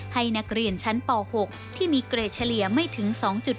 ให้นักเรียนชั้นป๖ที่มีเกรดเฉลี่ยไม่ถึง๒๗